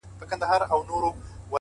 زه د بـلا سـره خـبري كـوم ـ